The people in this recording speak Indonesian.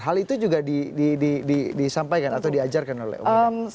hal itu juga disampaikan atau diajarkan oleh om idang